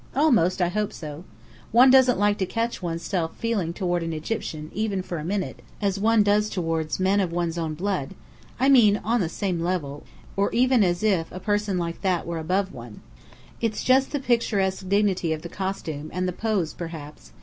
Almost, I hope so. One doesn't like to catch one's self feeling toward an Egyptian, even for a minute, as one does toward men of one's own blood I mean, on the same level, or even as if a person like that were above one. It's just the picturesque dignity of the costume, and the pose, perhaps.